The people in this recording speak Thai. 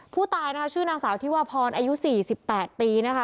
ผู้ตายนะคะชื่อนางสาวที่วาพรอายุ๔๘ปีนะคะ